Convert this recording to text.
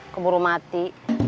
kamu belum mati